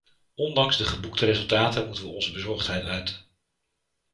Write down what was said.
Ondanks de geboekte resultaten moeten we onze bezorgdheid uiten.